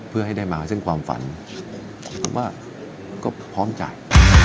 เพื่อให้ได้มาซึ่งความฝันผมว่าก็พร้อมจ่าย